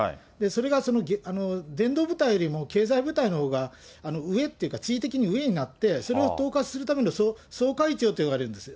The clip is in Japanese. それが、その伝道部隊よりも経済部隊のほうが上っていうか、地位的に上になって、それを統括するための総会長といわれるんです。